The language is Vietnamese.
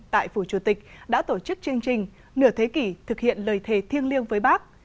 tại phủ chủ tịch đã tổ chức chương trình nửa thế kỷ thực hiện lời thề thiêng liêng với bác